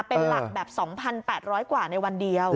เป็นหลักแบบ๒๘๐๐กว่าในวันเดียว